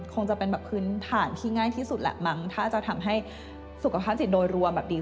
คงจะเป็นแบบพื้นฐานที่ง่ายที่สุดแหละมั้งถ้าจะทำให้สุขภาพจิตโดยรวมแบบนี้